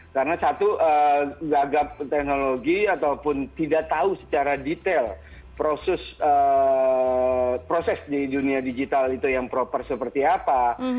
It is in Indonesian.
karena satu gagap teknologi ataupun tidak tahu secara detail proses di dunia digital itu yang proper seperti apa